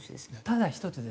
ただ１つですね